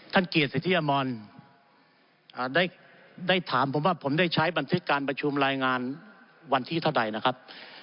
ท่านกีศศิษยามนตรีได้ถามผมว่าผมได้ใช้บันทึกการประชุมรายงานวันที่เท่าไหร่นะครับ